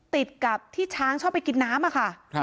ติดกับที่ช้างชอบไปกินน้ำค่ะ